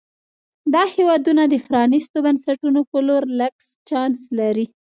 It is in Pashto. دا هېوادونه د پرانیستو بنسټونو په لور لږ چانس لري.